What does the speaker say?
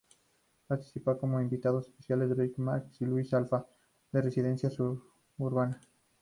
Participaron como invitados especiales Dread Mar-I y Luis Alfa, de Resistencia Suburbana.